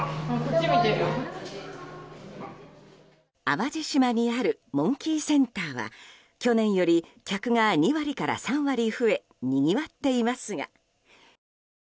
淡路島にあるモンキーセンターは去年より客が２割から３割増えにぎわっていますが。